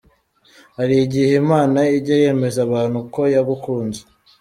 Hari igihe Imana ijya yemeza abantu ko yagukunze!.